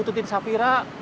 masih ga ada apa apa